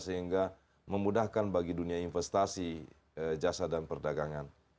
sehingga memudahkan bagi dunia investasi jasa dan perdagangan